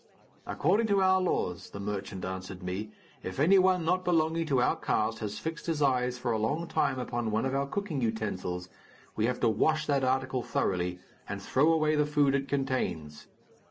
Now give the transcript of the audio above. "According to our laws," the merchant answered me, "if any one not belonging to our caste has fixed his eyes for a long time upon one of our cooking utensils, we have to wash that article thoroughly, and throw away the food it contains.